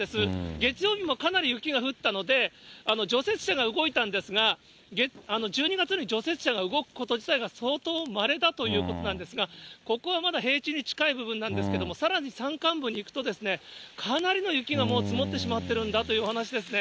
月曜日もかなり雪が降ったので、除雪車が動いたんですが、１２月に除雪車が動くこと自体が、相当まれだということなんですが、ここはまだ平地に近い部分なんですけれども、さらに山間部に行くとですね、かなりの雪がもう積もってしまってるんだというお話ですね。